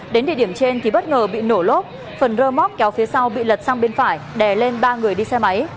đến địa điểm trên thì bất ngờ bị nổ lốp phần rơ móc kéo phía sau bị lật sang bên phải đè lên ba người đi xe máy